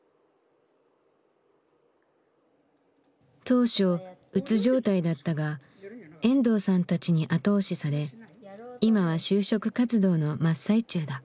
当初うつ状態だったが遠藤さんたちに後押しされ今は就職活動の真っ最中だ。